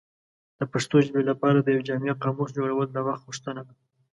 د پښتو ژبې لپاره د یو جامع قاموس جوړول د وخت غوښتنه ده.